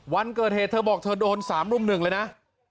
วันเกิดเหตุเธอบอกเธอโดน๓รุ่มหนึ่งเลยนะ